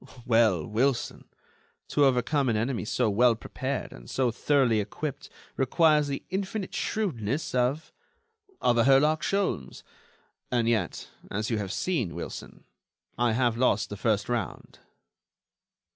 "Well, Wilson, to overcome an enemy so well prepared and so thoroughly equipped requires the infinite shrewdness of ... of a Herlock Sholmes. And yet, as you have seen, Wilson, I have lost the first round."